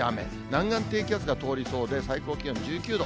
南岸低気圧が通りそうで、最高気温１９度。